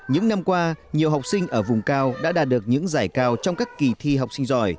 những năm qua nhiều học sinh ở vùng cao đã đạt được những giải cao trong các kỳ thi học sinh giỏi